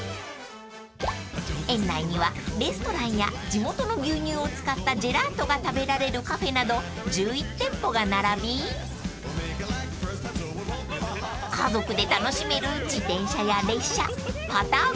［園内にはレストランや地元の牛乳を使ったジェラートが食べられるカフェなど１１店舗が並び家族で楽しめる自転車や列車パター